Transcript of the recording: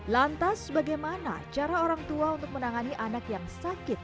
lantas bagaimana cara orang tua untuk menangani anak yang sakit